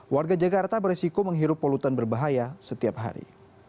warga jakarta beresiko menghirup polutan berbahaya setiap hari